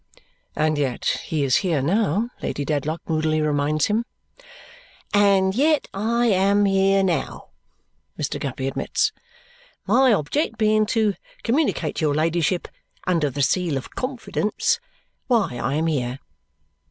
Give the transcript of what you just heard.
And yet he is here now, Lady Dedlock moodily reminds him. "And yet I am here now," Mr. Guppy admits. "My object being to communicate to your ladyship, under the seal of confidence, why I am here."